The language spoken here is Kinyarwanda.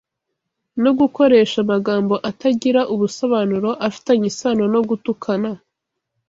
no gukoresha amagambo atagira ubusobanuro, afitanye isano no gutukana